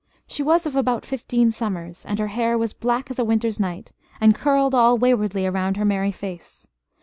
She was of about fifteen summers; and her hair was black as a winter's night and curled all waywardly around her merry face.